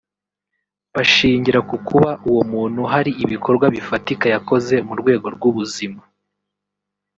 bashingira ku kuba uwo muntu hari ibikorwa bifatika yakoze mu rwego rw’ubuzima